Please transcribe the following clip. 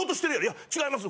いや違います。